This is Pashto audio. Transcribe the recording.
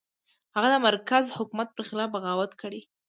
هغه د مرکزي حکومت پر خلاف بغاوت کړی و.